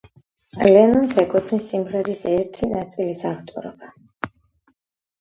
ლენონს ეკუთვნის სიმღერის ერთი ნაწილის ავტორობა.